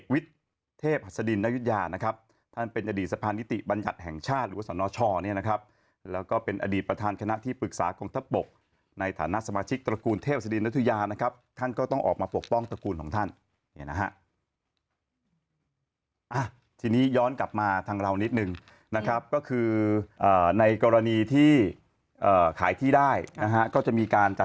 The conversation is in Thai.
เทพหัสดินนยุธยานะครับท่านเป็นอดีตสะพานนิติบัญญัติแห่งชาติหรือว่าสนชเนี่ยนะครับแล้วก็เป็นอดีตประธานคณะที่ปรึกษากองทัพบกในฐานะสมาชิกตระกูลเทพศดินนุทยานะครับท่านก็ต้องออกมาปกป้องตระกูลของท่านเนี่ยนะฮะทีนี้ย้อนกลับมาทางเรานิดนึงนะครับก็คือในกรณีที่เอ่อขายที่ได้นะฮะก็จะมีการจัด